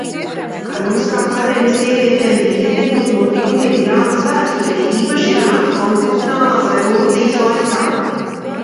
Karaliskā harēma sievietēm bija ietekme uz notikumiem Irānas vēsturē, īpaši Irānas konstitucionālās revolūcijas laikā.